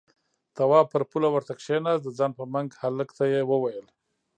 تواب پر پوله ورته کېناست، د ځان په منګ هلک ته يې وويل: